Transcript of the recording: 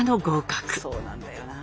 そうなんだよなぁ。